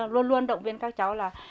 luôn luôn động viên các cháu là